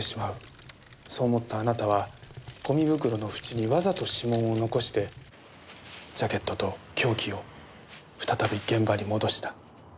そう思ったあなたはゴミ袋の縁にわざと指紋を残してジャケットと凶器を再び現場に戻した。